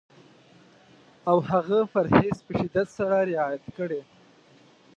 او هغه پرهېز په شدت سره رعایت کړي.